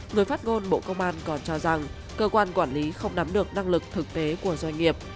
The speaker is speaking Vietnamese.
người phát ngôn bộ công an còn cho rằng cơ quan quản lý không nắm được năng lực thực tế của doanh nghiệp